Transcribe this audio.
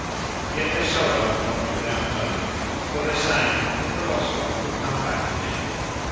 Yet they sorrowed not without hope, for they sang that the lost one would come back again.